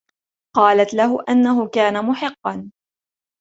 قالت له أنه كان محقا.